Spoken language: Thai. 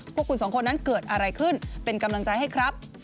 พวกคุณสองคนนั้นเกิดอะไรขึ้นเป็นกำลังใจให้ครับ